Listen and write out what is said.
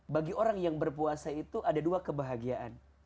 bagi orang yang berpuasa itu ada dua kebahagiaan